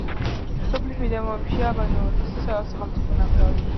სოფლის მიდამოებშია ბაბანეურის სახელმწიფო ნაკრძალი.